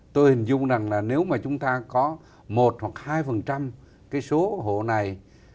tôi hình dung rằng là nếu mà chúng ta có một hoặc hai cái số hộ này